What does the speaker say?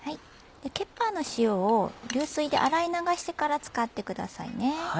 ケッパーの塩を流水で洗い流してから使ってくださいね。